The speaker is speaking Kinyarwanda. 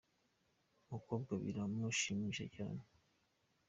Umukobwa biramushimisha cyane.